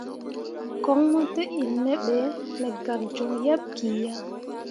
Koŋ mo te in me be, me gak joŋ yeḅ ki ya.